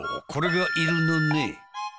これがいるのね？